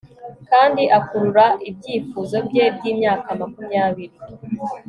Kandi akurura ibyifuzo bye byimyaka makumyabiri